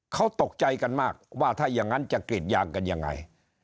เขาตกใจกันมากว่าถ้าอย่างนั้นจะกรีดยางกันยังไง